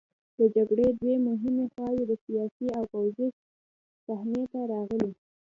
د جګړې دوه مهمې خواوې د سیاسي او پوځي صحنې ته راغلې.